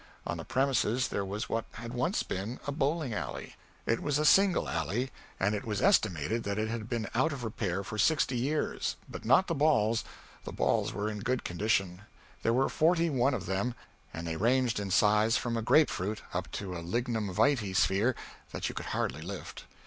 On the premises there was what had once been a bowling alley. It was a single alley, and it was estimated that it had been out of repair for sixty years but not the balls, the balls were in good condition; there were forty one of them, and they ranged in size from a grapefruit up to a lignum vitæ sphere that you could hardly lift.